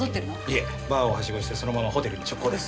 いえバーをハシゴしてそのままホテルに直行です。